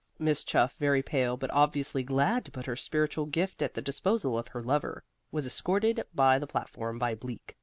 Miss Chuff, very pale, but obviously glad to put her spiritual gift at the disposal of her lover, was escorted to the platform by Bleak.